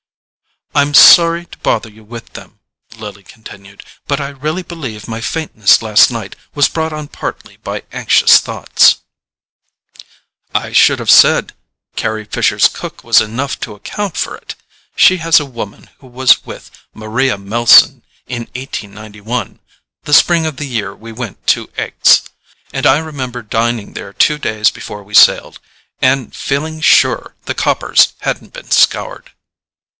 "I'm sorry to bother you with them," Lily continued, "but I really believe my faintness last night was brought on partly by anxious thoughts—" "I should have said Carry Fisher's cook was enough to account for it. She has a woman who was with Maria Melson in 1891—the spring of the year we went to Aix—and I remember dining there two days before we sailed, and feeling SURE the coppers hadn't been scoured."